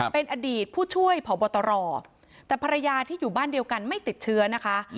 เป็นอดีตผู้ช่วยผอบตรแต่ภรรยาที่อยู่บ้านเดียวกันไม่ติดเชื้อนะคะ